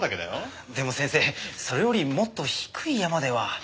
でも先生それよりもっと低い山では。